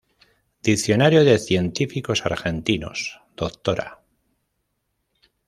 Diccionario de científicos argentinos Dra.